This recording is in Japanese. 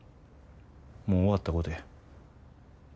もう終わったことや。